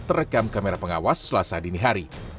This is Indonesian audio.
terekam kamera pengawas selasa dini hari